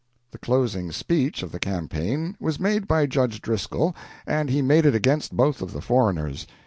The closing speech of the campaign was made by Judge Driscoll, and he made it against both of the foreigners.